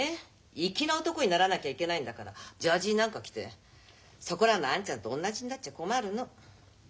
粋な男にならなきゃいけないんだからジャージなんか着てそこらのあんちゃんと同じになっちゃ困るの。